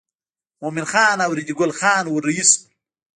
مومن خان او ریډي ګل خان ور رهي شول.